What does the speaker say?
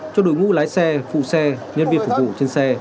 cho đội ngũ lái xe phụ xe nhân viên phục vụ trên xe